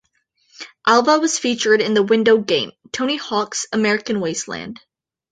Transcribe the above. Alva was featured in the video game, "Tony Hawk's American Wasteland".